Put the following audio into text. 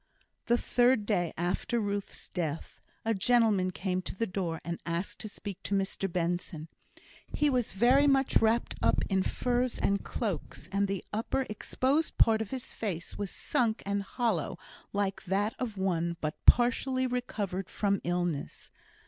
The third day after Ruth's death, a gentleman came to the door and asked to speak to Mr Benson. He was very much wrapped up in furs and cloaks, and the upper, exposed part of his face was sunk and hollow, like that of one but partially recovered from illness.